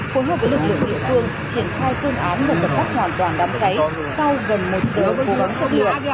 phối hợp với lực lượng địa phương triển khai phương án và dập tắt hoàn toàn đám cháy sau gần một giờ vô gắng sức lượng